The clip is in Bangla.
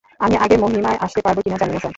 আমি আগের মহিমায় আসতে পারব কিনা জানি না, স্যার।